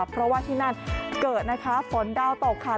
เพราะว่าที่นั่นเกิดนะคะฝนดาวตกค่ะ